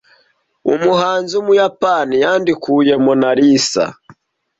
umuhanzi wumuyapani yandukuye Mona Lisa